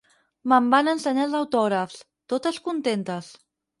Me'n van ensenyar els autògrafs, totes contentes.